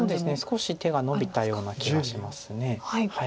少し手がのびたような気がします。